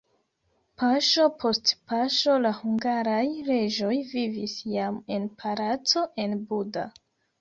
Paŝo post paŝo la hungaraj reĝoj vivis jam en palaco en Buda.